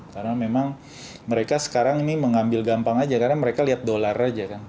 karena memang mereka sekarang ini mengambil gampang aja karena mereka lihat dolar aja kan